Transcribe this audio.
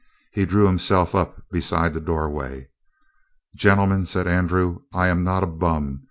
He drew himself up beside the doorway. "Gentlemen," said Andrew, "I am not a bum.